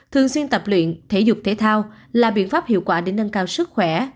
thường xuyên tập luyện thể dục thể thao là biện pháp hiệu quả để nâng cao sức khỏe